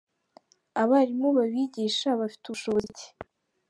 Abarimu babigisha bafite bushobozi ki ?